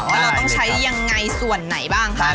เราต้องใช้ยังไงส่วนไหนบ้างคะ